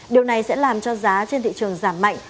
điều này sẽ làm cho giá trên thị trường giảm mạnh